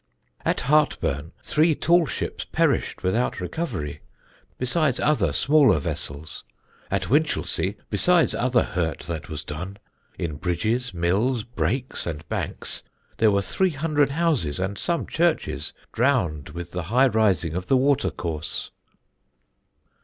At Hert burne three tall ships perished without recoverie, besides other smaller vessels. At Winchelsey, besides other hurte that was doone, in bridges, milles, breakes, and banks, there were 300 houses and some churches drowned with the high rising of the water course."